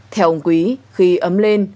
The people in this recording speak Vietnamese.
theo ông quý khi ấm lên